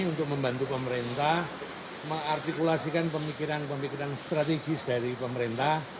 untuk membantu pemerintah mengartikulasikan pemikiran pemikiran strategis dari pemerintah